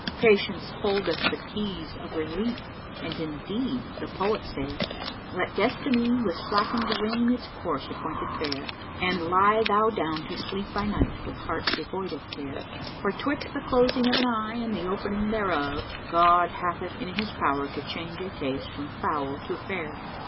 Patience holdeth the keys of relief and indeed the poet saith, 'Let destiny with slackened rein its course appointed fare! And lie thou down to sleep by night, with heart devoid of care; For 'twixt the closing of an eye and th' opening thereof, God hath it in His power to change a case from foul to fair."